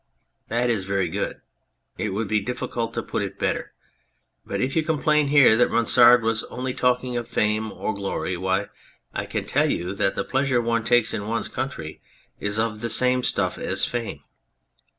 That is very good. It would be very difficult to put it better, and if you complain that here Ronsard was only talking of fame or glory, why, I can tell you that the pleasure one takes in one's country is of the same stuff as fame.